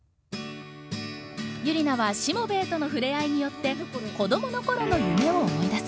ユリナはしもべえとの触れ合いによって子どもの頃の夢を思い出す。